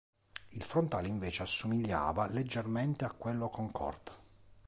Il frontale invece assomigliava leggermente a quello Concord.